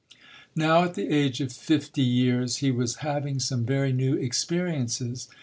Now, at the age of fifty years, he was having some very new experiences.